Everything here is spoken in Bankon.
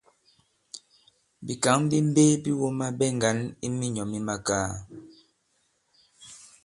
Bìkǎŋ bi mbe bi wōma ɓɛ ŋgǎn i minyɔ̌ mi makaa.